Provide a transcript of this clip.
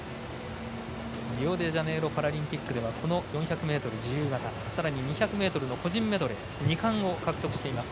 リオデジャネイロパラリンピックではこの４００ｍ自由形さらに２００ｍの個人メドレー２冠を獲得しています。